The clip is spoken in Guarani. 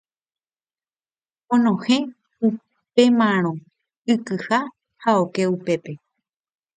Onohẽ upémarõ ikyha ha oke upépe.